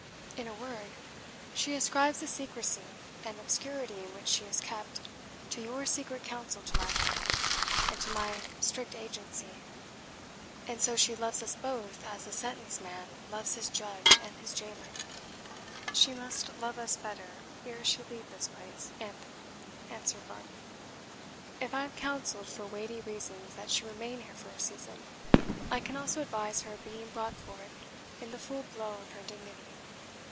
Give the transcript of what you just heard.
In a word, she ascribes the secrecy and obscurity in which she is kept to your secret counsel to my lord, and to my strict agency; and so she loves us both as a sentenced man loves his judge and his jailor." "She must love us better ere she leave this place, Anthony," answered Varney. "If I have counselled for weighty reasons that she remain here for a season, I can also advise her being brought forth in the full blow of her dignity.